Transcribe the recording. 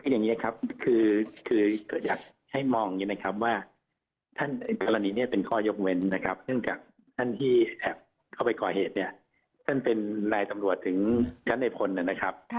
อยากให้มองนี้นึงนะครับว่ากรณีนี้เป็นข้อยกเว้นนะครับ